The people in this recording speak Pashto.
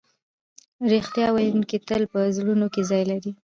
رښتیا ویونکی تل په زړونو کې ځای لري.